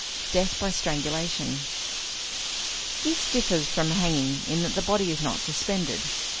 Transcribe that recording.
DEATH BY STRANGULATION This differs from hanging in that the body is not suspended.